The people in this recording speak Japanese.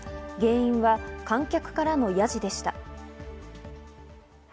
原因は観客からのヤジでした。